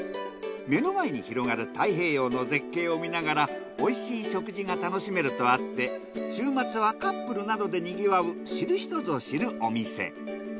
目の前に広がる太平洋の絶景を見ながらおいしい食事が楽しめるとあって週末はカップルなどでにぎわう知る人ぞ知るお店。